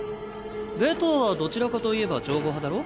夏油はどちらかといえば漏瑚派だろ？